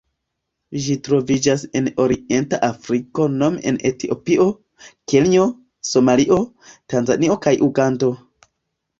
Ĝi troviĝas en Orienta Afriko nome en Etiopio, Kenjo, Somalio, Tanzanio kaj Ugando.